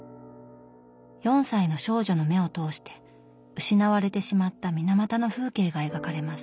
４歳の少女の目を通して失われてしまった水俣の風景が描かれます。